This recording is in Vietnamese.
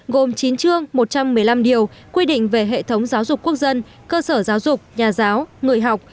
gồm chín chương một trăm một mươi năm điều quy định về hệ thống giáo dục quốc dân cơ sở giáo dục nhà giáo người học